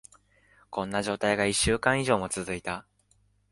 こんな状態が一週間以上も続いた。